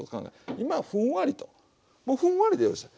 今ふんわりともうふんわりでよろしい。